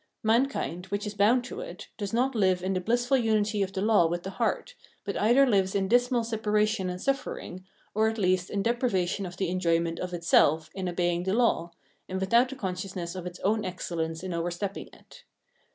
Mankind, which is bound to it, does not live in the blissful unity of the law with the heart, but either lives in dismal separation and suffering, or at least in deprivation of the enjoyment of itself in obeying the law, and without the consciousness of its own excellence in overstepping it.